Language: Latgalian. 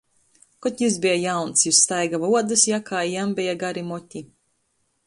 Kod jis beja jauns, jis staiguoja uodys jakā i jam beja gari moti.